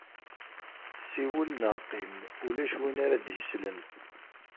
Siwel neɣ qim, ulac win ara d-yeslen.